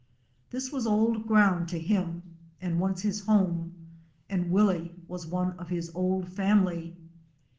This was old ground to him and once his home, and Willie was one of his old family.